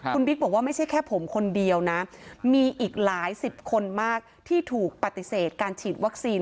คุณบิ๊กบอกว่าไม่ใช่แค่ผมคนเดียวนะมีอีกหลายสิบคนมากที่ถูกปฏิเสธการฉีดวัคซีน